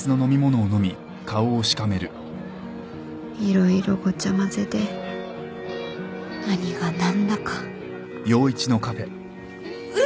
色々ごちゃ混ぜで何が何だかえっ？